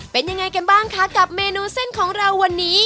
เป็นยังไงกันบ้างคะกับเมนูเส้นของเราวันนี้